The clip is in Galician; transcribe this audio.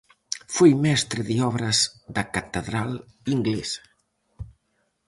Foi mestre de obras da catedral inglesa.